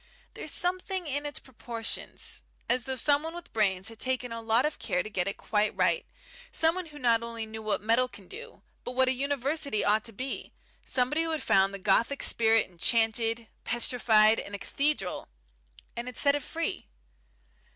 There's something in its proportions as though someone with brains had taken a lot of care to get it quite right, someone who not only knew what metal can do, but what a University ought to be, somebody who had found the Gothic spirit enchanted, petrified, in a cathedral, and had set it free."